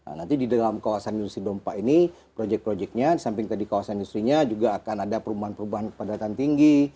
nanti di dalam kawasan industri dompa ini proyek proyeknya di samping tadi kawasan industri nya juga akan ada perubahan perubahan kepadatan tinggi